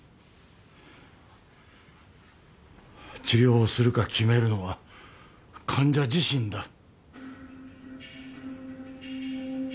治療をするか決めるのは患者自身だ。